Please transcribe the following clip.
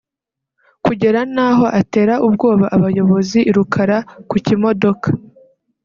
kugera naho atera ubwoba abayobozi i Rukara ku kimodoka